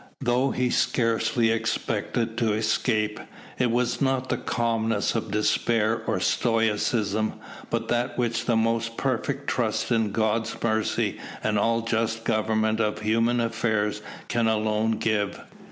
Though he scarcely expected to escape, it was not the calmness of despair or stoicism, but that which the most perfect trust in God's mercy and all just government of human affairs can alone give.